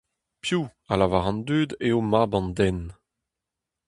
Piv, a lavar an dud, eo Mab an Den ?